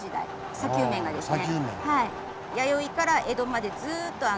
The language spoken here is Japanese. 砂丘面がですね。